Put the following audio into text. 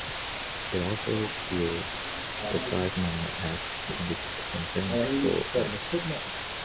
It also repealed the Five Mile Act and the Conventicle Acts.